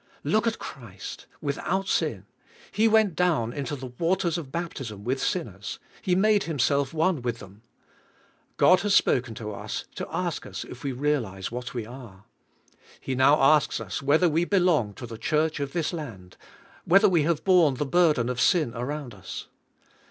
Look at Christ, without sin! He went down into the waters of baptism with sin ners; He made Himself one with them. God has spoken to us to ask us if we realize what we are. He now asks us whether we belong to the church of this land, whether we have boine the burden of 166 THE SOURCE OF PO WER IN PR A YRR sin around us.